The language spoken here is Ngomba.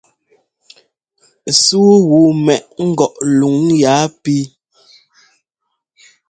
Súu wu mɛʼ ngɔʼ luŋ yaa píi.